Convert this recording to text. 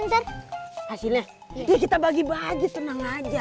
enter hasilnya kita bagi baju tenang aja